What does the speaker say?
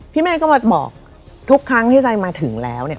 พี่แม่ก็บอกทุกครั้งที่ไซค์มาถึงแล้วเนี่ย